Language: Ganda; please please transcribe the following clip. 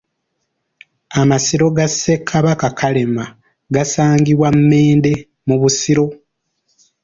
Amasiro ga Ssekabaka Kalema gasangibwa Mmende mu Busiro.